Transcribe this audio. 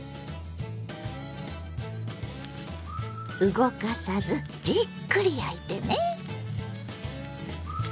動かさずじっくり焼いてね。